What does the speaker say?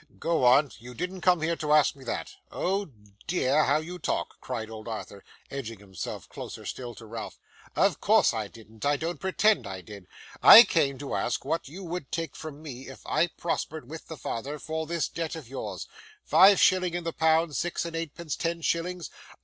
'Go on. You didn't come here to ask me that.' 'Oh dear, how you talk!' cried old Arthur, edging himself closer still to Ralph. 'Of course I didn't, I don't pretend I did! I came to ask what you would take from me, if I prospered with the father, for this debt of yours. Five shillings in the pound, six and eightpence, ten shillings?